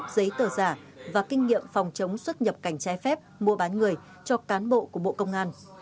giấy tờ giả và kinh nghiệm phòng chống xuất nhập cảnh trái phép mua bán người cho cán bộ của bộ công an